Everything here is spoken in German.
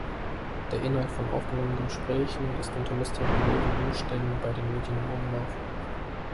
Der Inhalt von aufgenommenen Gesprächen ist unter mysteriösen Umständen bei den Medien im Umlauf.